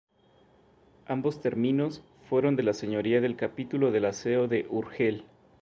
Ambos terminos fueron de la señoría del capítulo de la Seo de Urgell.